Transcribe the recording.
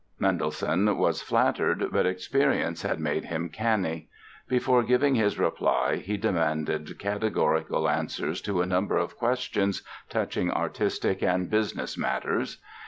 Mendelssohn was flattered but experience had made him canny. Before giving his reply he demanded categorical answers to a number of questions touching artistic and business matters.